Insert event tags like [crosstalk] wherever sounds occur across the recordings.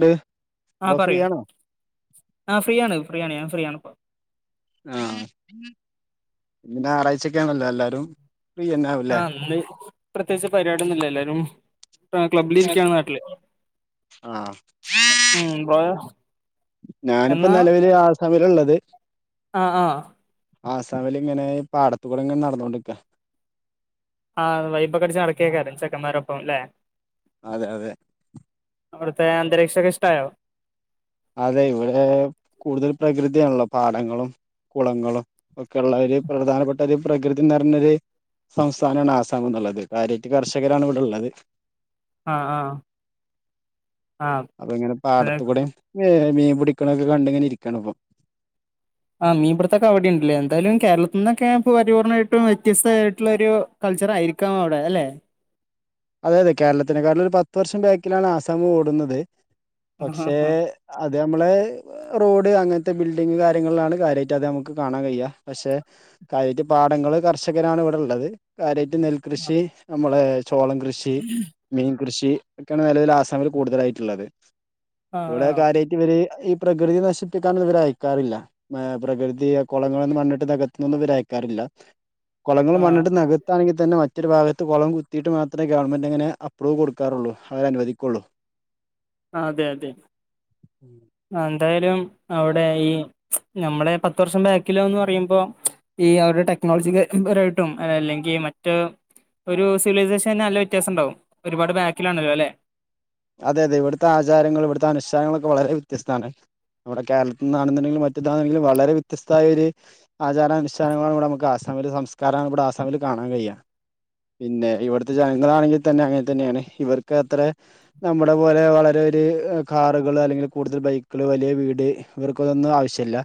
ഡ് ആ പറയൂ ആ ഫ്രീയാണ് ഫ്രീയാണ് ഞാൻ ഫ്രീയാണ് ആ പിന്നെ ഞായറാഴ്ചക്കെയാ ണല്ലോ എല്ലാരും ഫ്രീ തന്നെ ആവൂല്ലേ ആന്ന് പ്രത്യേകിച്ച് പരിപാടിയൊന്നും ഇല്ല എല്ലാരും ക്ലബ്ബിലിരിക്കാണ് നാട്ടില് ആ ഉം ബ്രോയോ ഞാനിപ്പോ എന്നാ നെലവില് ആസാമിലാ ഇള്ളത് [inaudible] ആ ആ ആസാമില് ഇങ്ങനെ പാടത്ത് കൂടെ ഇങ്ങനെ നടന്നോണ്ടിരിയ്ക്ക ആ വൈപ്പ് ഒക്കെ അടിച്ച്നടക്കയാ യിരിക്കും ചെക്കന്മാരൊപ്പം അല്ലെ അതെ അതെ അവിടുത്തെ അന്തരീക്ഷംഒക്കെ ഇഷ്‌ടായോ അതെ ഇവിടെ കൂടുതൽ പ്രകൃതിയാണല്ലോ പാടങ്ങളും കുളങ്ങളും ഒക്കെയുള്ള ഒരു പ്രധാനപ്പെട്ട ഒരു പ്രകൃതി നിറഞ്ഞൊരു സംസ്ഥാനമാണ് ആസാംമേന്ന്ള്ളത് കാര്യറ്റ് കർഷകരാണ് ഇവിടെള്ളത് ആ ആ അപ്പൊ ഇങ്ങനെ പിന്നെ പാടത്ത് കൂടെമ്മ് മീൻ പിടിക്കണൊക്കെ കണ്ടിങ്ങനെ ഇരിക്കാണ് ഇപ്പം ആ മീൻപിടിത്തേക്കേം അവിടെയുണ്ടല്ലേ എന്തായാലും കേരളത്തി നിന്നൊക്കെ പരിപൂർണമായിട്ടും വ്യത്യസയിട്ടുള്ള ഒരു കൾച്ചർ ആയിരിക്കാം അവിടെ അല്ലെ അതെ അതെ കേരളത്തിനെകളും ഒരു പത്ത് വർഷം ബാക്കിലാണ് ആസാം ഓടുന്നത് ആ ആ പക്ഷെ അത് അത് നമ്മള് റോഡ് അങ്ങനത്തെ ബിൽഡിംഗ്‌ കാര്യങ്ങളിലാണ് കാര്യമായിട്ട് അത് നമുക്ക് കാണാൻ കഴിയ പക്ഷെ കാര്യമായിട്ട് പാടങ്ങൾ കർഷകരാണ് ഇവിടെ ഇള്ളത് കാര്യമാ നെൽകൃഷി നമ്മള് സോളം കൃഷി മീൻ കൃഷിയൊക്കെയാണ് നിലവിൽ ആസാമില് കൂടുതലായിട്ടുള്ളത് ആ ആ ഇവിടെ ആ കാര്യയിട്ട് ഇവര് ഈ പ്രകൃതിയെ നശിപ്പിക്കാൻ ഇവർ അയക്കാറില്ല പ്രകൃതി കുളങ്ങളൊന്നും മണ്ണിട്ട് നികത്തുന്നതൊന്നും ഇവര് അയക്കാറില്ല കുളങ്ങൾ മണ്ണിട്ട് നികത്തണെങ്കിത് തന്നെ മറ്റൊരു ഭാഗത്ത് കൊളം കുത്തീട്ട് മാത്രേ ഗവൺമെന്റ് അങ്ങനെ അപ്പ്രൂവ് കൊടുക്കാറുള്ളൂ അവര് അനുവദിക്കുള്ളൂ അതെ അതെ ഉം ആ ന്തായാലും അവിടെ ഈ നമ്മളെ പത്ത് വർഷം ബാക്കിലോന്ന് പറയുമ്പോ ഈ അവിടെ ടെക്നോളജി പരായിട്ടും അല്ലെങ്കി മറ്റ ഒരു സിവിലൈസേഷൻ നല്ല വ്യത്യാസണ്ടാവും ഒരുപാട് ബാക്കിലാണല്ലൊ ലെ അതെ അതെ ഇവിടുത്തെ ആചാരങ്ങൾ ഇവിടുത്തെ അനുഷ്ഠാനങ്ങളൊക്കെ വളരെ വ്യത്യസ്താണ് നമ്മുടെ കേരൾത്തിൽന്നാണ്ന്നിണ്ടെങ്കിലും മറ്റേതാണെങ്കിലും വളരെ വ്യത്യസ്തിയ ഒര് ആചാരാനുഷ്ഠാനങ്ങളാണ് ഇവിടെ നമുക്ക് ആസാമില് സംസ്കാരാണ് ഇവിടെ ആസാമില് കാണാൻ കഴിയ പിന്നെ ഇവിടുത്തെ ജനങ്ങളാണെങ്കി തന്നെ അങ്ങൻതന്നേണ് ഇവർക്ക് അത്ര നമ്മുടെ പോലെ വളരെ ഒരു കാറുകൾ അല്ലെങ്കിൽ കൂടുതൽ ബൈക്കുകൾ വലിയ വീട് ഇവർക്കതൊന്നും ആവശ്യല്ല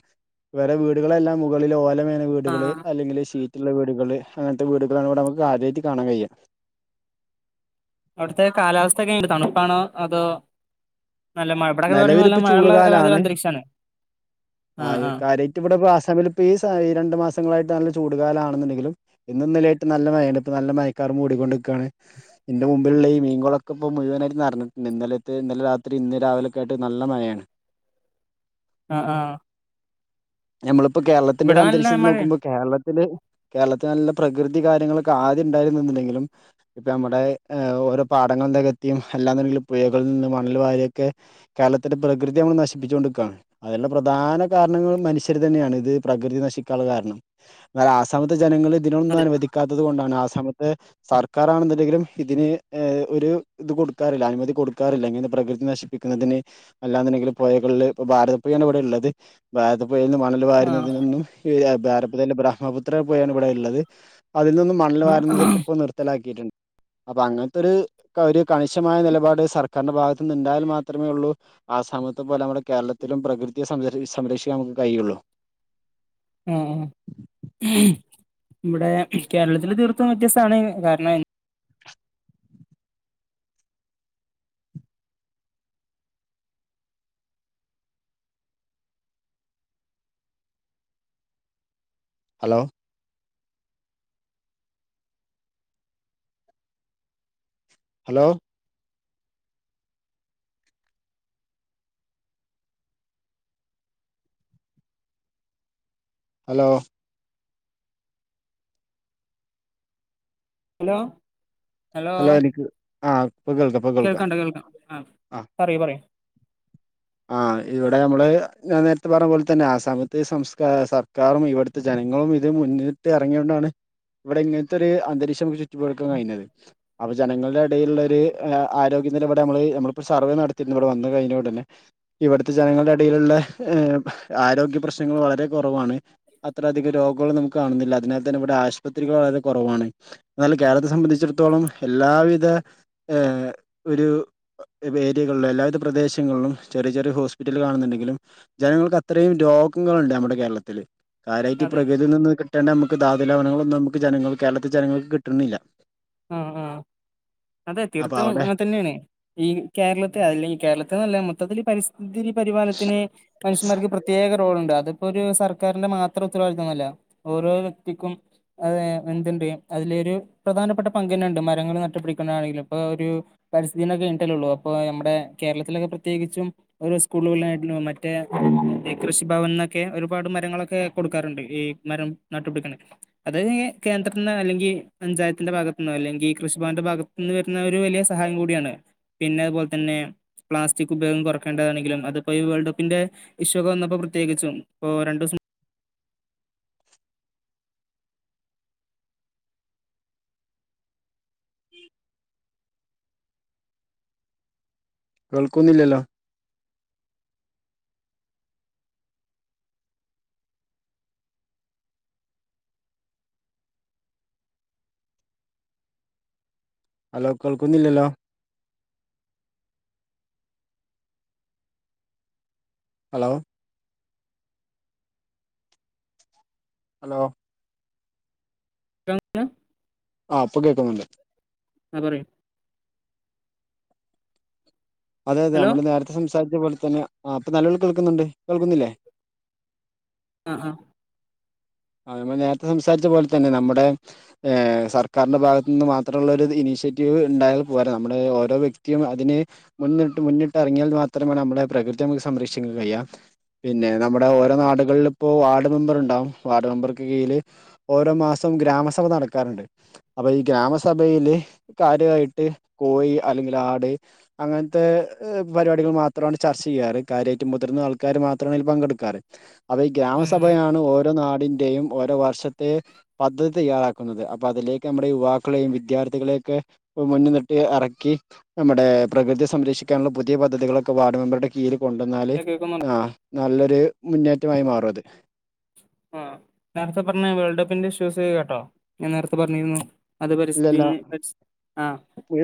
വേറെ വീടുകളെല്ലാം മുകളിൽ ഓല മേഞ്ഞ വീടുകൾ അല്ലെങ്കിൽ ഷിറ്റിള്ള വീട് വീടുകള് അങ്ങൻത്തെ വീടുകളാണ് നമുക്ക് കാര്യായിട്ട് കാണാൻ കയ്യ അവിടുത്തെ കാലാവസ്ഥക്കെ തണുപ്പാണേ അതോ നല്ല മഴ ഇവിടൊക്കെ പറയുമ്പോ നല്ല നിലവിലിപ്പ മഴയുള്ള ഒരു ചൂട്കാലാണ് അന്തരീക്ഷാണ് ആ കര്യേറ്റ് ഇവിടെ ഇപ്പൊ ആസാമിലിപ്പ ഈ സാ രണ്ടു മാസങ്ങളായിട്ട് നല്ല ചു ചൂടുകാലാണെന്നുണ്ടങ്കിലും ഇന്നുന്നലേയിട്ട് നല്ല മയണ് ഇപ്പ നല്ല മയക്കാറ് മൂടികോണ്ടിക്കാണ് ഇന്റെ മുമ്പിലുള്ള ഈ മീൻകളൊക്കെ ഇപ്പോ മുഴുവനായിട്ട് നിറഞ്ഞിട്ടുട് ഇന്നലത്തെ ഇന്നലെ രാത്രി ഇന്ന് രാവിലെ യിട്ട് നല്ല മഴയാണ് ആ ആ ഞമ്മള് ഇപ്പൊ കേരളത്തിന്റെ ഒരു ഇവിടെ നല്ല അന്തരീക്ഷത്തിൽ മഴയാ നോക്കുമ്പോ കേരളത്തില് കേരളത്തിൽ നല്ല പ്രകൃതി കാര്യങ്ങളൊക്കെ ആദ്യം ഉണ്ടായിരുന്നെന്നുണ്ടെങ്കിലും ഇപ്പൊ നമ്മുടെ ഓരോ പാടങ്ങള് നെകത്തിയും എല്ലാന്നുണ്ടെങ്കിലും പുയകളിൽന്ന് മണൽ വാരിയൊക്കെ കേര്ളത്തിന്റെ പ്രകൃതി നമ്മള് നശിപ്പിച്ചോണ്ടിക്കാണ് അതിനുള്ള പ്രധാന കാരണങ്ങൾ മനുഷ്യര് തന്നേണ് ഇത് പ്രകൃതി നശിക്കാള്ള കാര്ണം എന്നാല് ആസാമ്ത്തെ ജനങ്ങള് ഇതിനൊന്നും അതെ അനുവദിക്കാത്ത തുകൊണ്ടാണ് ആസാമ്ത്തെ സർക്കാരാണ്ന്നിണ്ടെങ്കിലും ഇതിന് ഏ ഒരു ഇത് കൊടുക്കാറില്ല അനുമതി കൊടുക്കാറില്ല ഇങ്ങനെ പ്രകൃതി നശിപ്പിക്കുന്നതിന് അല്ലാന്നിണ്ടെങ്കില് പൊയകളില് ഭാരതപ്പൊയാണ് ഇവിടെ ഇള്ളത് ഭാരത പൊയേന്ന് മണല് ആ വാര്ന്നതിനൊന്നും ഏ എ [unintelligible] ബ്രഹ്മപുത്ര പോയേണ് ഇവിടെ ഇള്ളത് അതിൽ നിന്ന് മണൽ വരുന്നതൊക്കെ ഇപ്പോ നിർത്തലാക്കിട്ടി അപ്പ അങ്ങൻത്തൊരു കാര് കണിശമായ നെലപാട് സർക്കാരിന്റെ ഭാഗ ന്നുണ്ടായാൽ മാത്രമേ ഉള്ളൂ ആസാമിത്തെ പോലെ നമ്മുടെ കേരളത്തിലും പ്രകൃതിയെ സംരക്ഷ് സംരക്ഷിക്കാൻ നമുക്ക് കയുള്ളു ഏ ഇവിടെ കേരളത്തില് തീർത്തും വ്യത്യസ്താണ് കാരണം hello hello hello hello hello എനിക്ക് ആ പ്പ കേൾക്കാ ഇപ്പ കൾക്കാം കേൾക്കണ്ട് കേൾക്കാം ആ ആഹ് പറയൂ പറയൂ ആ ഇവിടെ നമ്മള് ഞാൻ നേര്ത്തെ പർഞ്ഞ പോൽ തന്നെ ആസാമത്തി സംസ് ഏഹ് സർക്കാറും ഇവിടുത്തെ ജനങ്ങളും ഇത് മുന്നിട്ട് എറങ്ങിയോണ്ടാണ് ഇവിടെ ഇങ്ങെൻത്തൊരെ അന്തരീക്ഷം [unintelligible] ക്കാൻ കഴിഞ്ഞുന്നത് അപ്പൊ ജനങ്ങളുടെ എടയിലുള്ള ഈ ആരോഗ്യനില ഇവിടെ നമ്മള് നമ്മളിപ്പോ സർവേ നടത്തിരുന്നു ഇവിടെ വന്ന് കഴിഞ്ഞ ഒടനെ ഇവിടുത്തെ ജനങ്ങളുടെ എ ടയിലുള്ള ഏ ആരോഗ്യ പ്രശ്നങ്ങൾ വളരെ കൊറ റവാണ് അത്രധികം രോഗങ്ങൾ നമുക്ക് കാണുന്നില്ല അതിനാൽ തന്നെ ഇവിടെ ആശുപത്രികൾ വളരെ കൊറവാണ് എന്നാൽ കേരളത്തെ സംബന്ധിച്ചിടത്തോളം എല്ലാവിധ ഏ ഒരു ഏരിയകളിലും എല്ലാവിധ പ്രദേശങ്ങളിലും ചെറെ ചെറെ ഹോസ്പിറ്റൽ കാണ്ന്ന്ണ്ടെങ്കിലും ജനങ്ങൾക്ക് അത്രേം രോഗങ്ങൾ ഇണ്ട് നമ്മുടെ കേരളത്തിൽ കാര്യായിട്ട് അതെ പ്രകൃതി നിന്ന് കിട്ടെണ്ട നമ്മ ക്ക് ധാതുലവണങ്ങളൊന്നും നമുക്ക് ജനങ്ങൾക്ക് കേരളത്തിൽ ജനങ്ങൾക്ക് കിട്ട്ണ് ഇല്ല ആ ആ അതെ അപ്പൊ തീർത്തും അവിടെ അങ്ങൻ തെന്നെയാണ് ഈ കേരളത്തെ അല്ലെങ്കി കേരളത്തെന്ന് അല്ല മൊത്തത്തില് പരിസ് തിരി പരിപാലത്തിന് കൺസ്യൂമർക്ക് പ്രത്യേകം [unintelligible] അതിപ്പോ ഒരു സർക്കാരിന്റെ മാത്രം ഉത്തരവാദിത്വംന്നല്ല ഓരോ വ്യക്തിക്കും എന്തുണ്ട്‌ അതിലെ ഒരു പ്രധാനപ്പെട്ട പങ്കന്നെണ്ട് മരങ്ങൾ നട്ടു പിടിക്കുന്നണെലും ഇപ്പ ഒരു പരിസ്ഥിതി [unintelligible] അപ്പ നമ്മുടെ കേരളത്തിലൊക്കെ പ്രത്യേകിച്ചും ഓരോ സ്കൂളുകള മറ്റേ കൃഷി ഭവനിൽന്നൊക്കെ ഒരുപാട് മരങ്ങളൊക്കെ കൊടുക്കാറുണ്ട് ഈ മരം നട്ടുപിടിക്കണ അത് കേന്ദ്രത്തിന്ന് അല്ലെങ്കിൽ പഞ്ചായത്തിന്റെ ഭാഗത്ത് അല്ലെങ്കിൽ കൃഷിഭവന്റെ ഭാഗത്തു നിന്ന് വരുന്ന ഒരു വലിയ സഹായം കൂടിയാണ് പിന്നെ അതുപോലെ തന്നെ പ്ലാസ്റ്റിക് ഉപയോഗം കുറക്കേണ്ടതാണെങ്കിലും അതിപ്പോ ഈ വേൾഡ് കപ്പിന്റെ ഇഷ്യൂ ഒക്കെ വന്നപ്പോ പ്രത്യേകിച്ചും ഇപ്പ രണ്ടുസം കേൾക്കുന്നില്ലല്ലോ ഹലോ കെൾക്കുന്നില്ലല്ലോ ഹലോ ഹലോ കങ്ങ് [unintelligible] ആ പ്പ കേക്കുന്നുണ്ട് ആ പറയൂ അതെ അതെ ഹലോ അമ്മള് നേരത്തെ സംസാരിച്ച അതേപോലെ തന്നെ ആ അപ്പൊ നല്ലപോല കേൾക്കുന്നുണ്ട് കേൾക്കുന്നില്ലേ ആ ആ ആ നമ്മൾ നേരത്തെ സംസാരിച്ച പോലെ തന്നെ നമ്മുടെ സർക്കാരിന്റെ ഭാഗത്തു നിന്ന് മാത്രമുള്ള ഒരു ഇനിഷ്യേറ്റീവ് ഉണ്ടായാൽ പോരാ നമ്മുടെ ഓരോ വ്യക്തിയും അതിന് മുന്നിട്ട് മുന്നിട്ട് ഇറങ്ങിയാൽ മാത്രമേ നമ്മുടെ പ്രകൃതി നമുക്ക് സംരക്ഷിക്കൻ കഴിയാം പിന്നെ നമ്മുടെ ഓരോ നാടുകളിൽ ഇപ്പോ വാർഡ് മെമ്പർ ഉണ്ടാവും വാർഡ് മെമ്പർക്ക് കീഴില് ഓരോ മാസം ഗ്രാമസഭ നടക്കാറുണ്ട് അപ്പൊ ഈ ഗ്രാമസഭയില് കാര്യമായിട്ട് കോ ഴി അല്ലെങ്കിൽ ആട് അങ്ങനത്തെ പരിപാടികൾ മാത്രമാണ് ചർച്ച ചെയ്യാറ് കാര്യമായിട്ട് മുതിർന്ന ആൾക്കാര് മാത്രമാണ് ഇതിൺ പങ്കെടുക്കാറ് അതെ ഈ ഗ്രാമസഭയാണ് ഓ നാടിന്റെയും ഓരോ വർഷത്തെ പദ്ധതി തയ്യാറാക്കുന്നത് അപ്പൊ അതിലേക്ക് നമ്മുടെ യുവാക്കളെയും വിദ്യാർത്ഥികളെയൊക്കെ മുന്ന നിിട്ട് ഇറക്കി നമ്മുടെ പ്രകൃതിയ സംരക്ഷിക്കാനുള്ള പുതിയ പദ്ധതികളൊക്കെ വാർഡ് മെമ്പറുടെ കീഴിൽ കൊണ്ടന്നാല് കേൾക്കുന്നു ആ നല്ലൊരു മുന്നേ മായി മാറു അത് ആ നേരത്തെ പറഞ്ഞ വേൾഡ് കപ്പിന്റെ ഷൂസ് ജ്കേട്ടോ ഞാൻ നേരത്തെ പറഞ്ഞിരുന്നു അത് ഇല്ലല്ല [unintelligible] ആ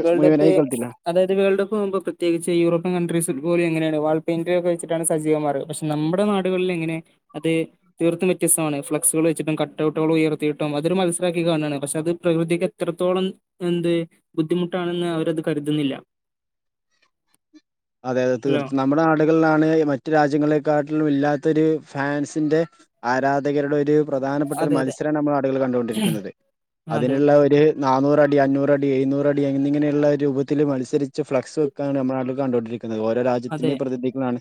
വേൾഡ് കപ്പ് മുഴുവനായി അ കേൾത്തില്ല അതായത് വേൾഡ് കപ്പ് പോകുമ്പോ പ്രത്യേകിച്ച് യൂറോപ്യൻ കൺട്രീസ് ഫട്ല [inaudible] [unintelligible] ണ് വാൾ പെയിന്റ ഒക്കെ വെച്ചിട്ടാണ് സജീവമാർഗ പക്ഷെ നമ്മുടെ നാടുകളിൽ എങ്ങനെ അത് തീർത്തും വ്യത്യസ്തമാണ് ഫ്ലെക്സുകൾ വെച്ചിട്ടും കട്ടഔട്ടുകൾ ഉയർത്തിയിട്ടും അതൊരു മത്സംസരാക്കി കാണാണ് പക്ഷെ അത് പ്രകൃതിക്ക് എത്രത്തോളം എന്ത് ബുദ്ധിമുട്ടാണെന്ന് അവരത് കരുതുന്നില്ല അതെ തെ ഹലോ തീർത്തും നമ്മുടെ നാടുകളിലാണ് മറ്റു രാജ്യങ്ങളെക്കാൾ ഇല്ലാത്തൊരു ഫാൻസിന്റെ ആരാധകരുടെ ഒരു പ്രധാനപ്പെട്ട ഒരു അതെ അതെ മത്സരാണ് നമ്മൾ ആളുകൾ കണ്ടുകൊണ്ടിരിക്കുന്നത് അതെ അതിനുള്ള ഒരു [inaudible] നാനൂറടി അഞ്ഞൂറടി എഴുന്നൂറടി എന്നിങ്ങനെയുള്ള രൂപത്തില് മത്സരിച്ച് ഫ്ലക്സ് വെക്കാണ് നമ്മുടെ നാട്ടില് കണ്ടു ണ്ടി ഓരോ അതെ രാജ്യത്തിന്റെയും പ്രതിനിധികളാണ്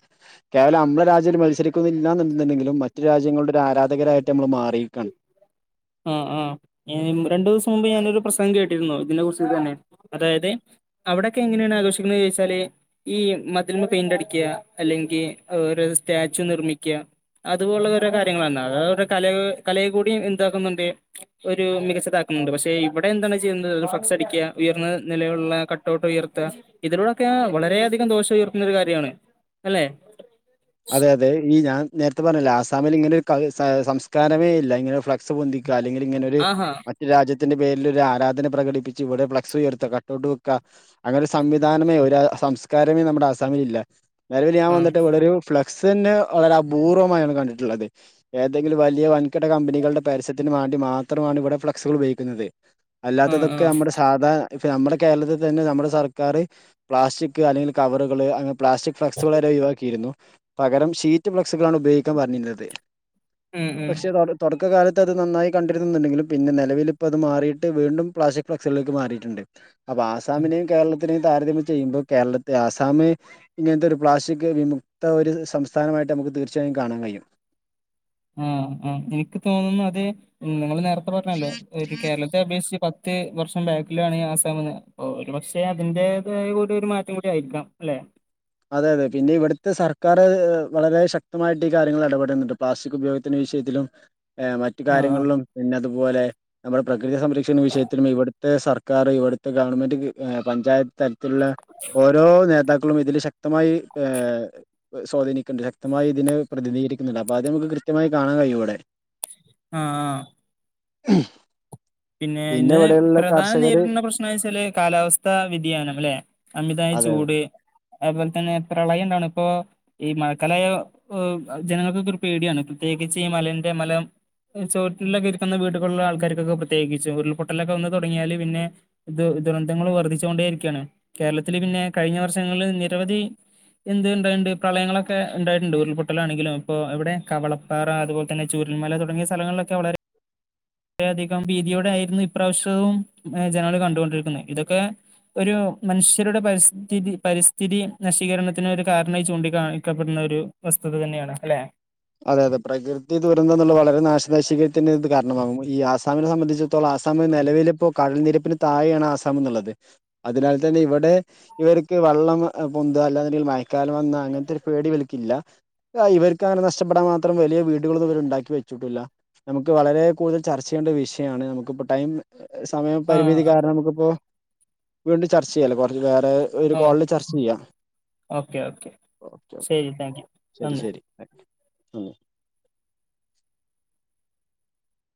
കേവലം നമ്മളെ രാജ്യം മത്സരിക്കുന്നല്ലന്നണ്ടുണ്ടെങ്കിലും മറ്റു രാജ്യങ്ങളുടെ ഒരു ആരാധകരായിട്ട് നമ്മള് മാറിയിരിക്കാണ് ആ ആ രണ്ടു ദിവസം മുമ്പ് ഞാനൊരു പ്രസംഗം കേട്ടിരുന്നു ഇതിനെ കുറിച്ച് തന്നെ അതായത് അവിടൊക്കെ എങ്ങനെയാണ് ആഘോഷിക്കുന്നത് ചോദിച്ചാല് മതിലിമ്മല് പെയിന്റ് അടിക്കുക അല്ലെങ്കിൽ സ്റ്റാച്യു നിർമ്മി ക്യാ അതുപോലെ ഓരോ കാര്യങ്ങളാണ് അരുടെ കല കലയെ കൂടി [unintelligible] ണ്ട് ഒരു മികച്ചതാക്കുന്നുണ്ട് പക്ഷെ ഇവിടെ എന്താണ് ചെയ്യുന്നത് ഫക്സ് അടിക്ക ഉയർന്ന നിലയുള്ള കട്ടൗട്ട് ഉയർത്തുക ഇതിലൂടെൊക്കെ വളരെയധികം ദോഷം ഉയർത്തുന്ന ഒരു കാര്യമാണ് അല്ലെ അതെ അതെ ഈ ഞാൻ നേരത്തെ പറഞ്ഞില്ലേ ആസാമിൽ ഇങ്ങനെ [unintelligible] സംസ്കാരമേ ഇല്ല ഇങ്ങനെ ഫ്ലക് കാ [unintelligible] ക്കുക അല്ലെങ്കിൽ ഇങ്ങനെ ഒരു ആഹാ മറ്റുരാജ്യത്ത് ന്റെ പേരില് ഒരു ആരാധന പ്രകടിപ്പിച്ച് ഇവിടെ ഫ്ലക്സ് ഉയർത്തുക കട്ടഔട്ട് വെക്ക അങ്ങനെ ഒരു സംവിധാനമേ ഒരു സംസ്കാരമേ നമ്മുടെ അസാമിലല്ല നിലവിൽ ഞാൻ ആഹ് വന്നിട്ട് വളരൂ ഫ്ലക്സെന്നെ വളരെ അപൂർവമായാണ് കണ്ടിട്ടുള്ളത് ഏതെങ്കിലും വലിയ വൻകിട കമ്പനികളുടെ പരസ്യത്തിനന് വേണ്ടി മാത്രമാണ് ഇവിടെ ഫ്ലക്സുകൾ ഉപയോഗിക്കുന്നത് ആഹ് അല്ലാത്തതൊക്കെ ആഹ് മ്മുടെ സാധാ [unintelligible] നമ്മുടെ കേരളത്തിൽ തന്നെ നമ്മുടെ സർക്കാർ പ്ലാസ്റ്റിക് അല്ലെങ്കിൽ കവറുകള് അ [unintelligible] ഫ്ലക്സുകള വരെ ഒഴി വാക്കിരുന്നു പകരം ഷീറ്റ് ഫ്ലക്സുകളാണ് ഉപയോഗിക്കാൻ പറഞ്ഞിന്നത് ഉം പക്ഷെ തുട തുട [unintelligible] കാലത്ത്ത് നന്നായി കണ്ടിരുന്നുണ്ടങ്കും പിന്നെ നിലവിൽ അത് മാറിയിട്ട് വീണ്ടും പ്ലാസ്റ്റിക് ഫ്ളക്സുകളിലേക്ക് മാറിയിട്ടുണ്ട് അപ്പ ഉം ആസാമിനെയും കേരള താരതമ്യം ചെയ്യുമ്പോൾ കേരളത്തെ ആ സാം ഇങ്ങനത്തെ ഒരു പ്ലാസ്റ്റിക് വിമു ത്ത ഒരു സംസ്ഥാനമായിട്ട് നമുക്ക് തീർച്ചയായും കാണാൻ കഴിയും ആ ആ എനിക്ക് തോന്നുന്നു അതെ [inaudible] നേ പറഞ്ഞല്ലോ ഒരു കേരളത്തെ അബേക്ഷിച്ച് പ [unintelligible] വർഷം ബാക്കിലാണ് ആസാമന്ന് അ ഒരു പക്ഷെ അതിന്റേതായ കൂടി ഒരു മാറ്റം കൂടി ആയിരിക്കാം ല്ലെ അതെ അതെ. പിന്നെ ഇവട്ത്തെ സർക്കാർ വളരെ ശക്തമായിട്ട് ഈ കാര്യങ്ങൾ ഇടപെടുന്നുണ്ട്. പ്ലാസ്റ്റിക് ഉപയോഗത്തിന്റെ വിഷയത്തിലും എഹ് മറ്റു ആഹ് കാര്യങ്ങളിലും പിന്നതും പോലെ നമ്മള പ്ര കൃതി സംരക്ഷണ വിഷയത്തിലും ഇവട്ത്തെ സർ ക്കാർ ഇവട്ത്തെ ഗവൺമെന്റ്ക് ഏഹ് പഞ്ചായ ത്തല്ത്തിൽള്ളെ ഓരോ നേതാ ക്കളും ഇതില് ശ ക്തമായി ഏഹ് സ്വാധീനിക്ണ്ട് ശക്തമായി ഇതിനെ പ്രധിതീകരിക്ക്ന്ന്ണ്ട്. അപ്പൊ അത്‌ നമുക്ക് കൃത്യമായി കാണാൻ കഴിയും വടെ. ആഹ് ആഹ് ഉം പിന്നെ ഇന്ന് പ്രധാന നേരിടുന്ന പ്രശ്നംവെച്ചാല് കാലാവസ്ഥാ വ്യതിയാനം ലെ അമിതായ അതെ അതെ ചൂട് അഹ്പോലെ തന്നെ പ്രളയണ്ടാവ്ണ ഇപ്പോ ഈ മഴക്കാലായാ ഏഹ് ജനങ്ങൾക്കൊക്കെ ഒരു പേടിയാണ്. പ്രത്യേകിച്ച് ഈ മലന്റെ മല ചോട്ടിലൊക്കെ ഇരിക്കുന്ന വീടുകൾലെ ആൾക്കാര്ക്കൊക്കെ പ്ര ത്യേകിച്ചും. ഉരുൾപ്പൊട്ടലൊക്കെ വന്ന് തൊടങ്ങിയാല് പിന്നെ ദു ദുരന്തങ്ങൾ വർധിച്ചുകൊണ്ടേ ഇരിക്കാണ്. കേരളത്തില് പിന്നെ കഴിഞ്ഞ വർഷങ്ങൾല് നിരവധി എന്ത് ണ്ടാവ്ണ്ട് പ്രളയങ്ങളൊക്കെ ഉണ്ടായിട്ട്ണ്ട് ഉരുൾ പൊട്ടലാണെങ്കിലും ഇപ്പൊ എവിടെ കവളപ്പാറ അത്പോൽതന്നെ ചൂരൽമല തുടങ്ങിയ സ്ഥലങ്ങളിലൊക്കെ വളരെ അതി കം ഭീതിയോടെ ആയിരുന്നു ഇപ്രാശ്യവും ജനങ്ങൾ കണ്ടുകൊണ്ടിരിക്കുന്നെ. ഇതൊക്കെ ഒരു മനുഷ്യരുടെ പരിസ്ഥിതി പരിസ്ഥിതി നശീകരണത്തിന് ഒരു കാരണായി ചൂണ്ടിക്കാണിക്കപ്പെടുന്ന ഒരു വസ്തുത തന്നെയാണ് അല്ലെ. അതെ അതെ പ്രകൃതി ദുരന്തംന്ന്ള്ള വളരെ നാശനശീകരി ത്തിന് ഇത് കാരണമാകുമോ ഈ ആസാമിനെ സംബന്ധിച്ചിടത്തോളം ആസാമ് നെലവിലിപ്പോ കടൽനിരപ്പിന് താഴെയാണ് ആസാമ്ന്ന്ള്ളത്. അതിനാൽ തന്നെ ഇവിടെ ഇവർക്ക് വെള്ളം പൊന്താ അല്ലാന്നിണ്ടെങ്കിൽ മയക്കാലം വന്നാ അങ്ങനത്തെ ഒരു പേടിവല്ക്കില്ല. ഇവർക്ക് അങ്ങനെ നഷ് ക്ഷപ്പെടാൻ മാത്രം വലിയ വീടുകളൊന്നും ഇവര്ണ്ടാക്കി വെച്ചുട്ടുല്ല. നമുക്ക് വളരെ കൂടുതൽ ചർച്ചെയ്യണ്ട വിഷയാണ് നമുക്ക്പ്പോ ടൈം സമയം ആഹ് പരിമിതി അതെ കാരണം നമുക്കിപ്പോ വീണ്ടും ചർച്യ്ല്ലെ [unintelligible] വേറെ ഒരു കോൾല് ചർച്ചെയ്യാം ഓക്കെ ഓക്കെ ഓകെ ഓകെ ശരി താങ്ക് യു ശെരി നന്ദി ശെരി മ്